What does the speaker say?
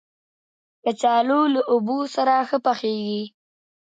کچالو له اوبو سره ښه پخېږي